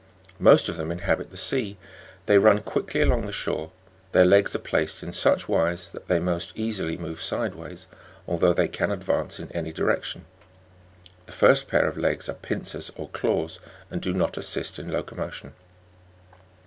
Most of ihem inhabit the sea. They run quickly along the shore ; their legs are placed in bed e suc h w * se that they most easily move sideways, although they can advance ia any direction. The first pair of legs are pincers or claws, and do not assist in loco motion.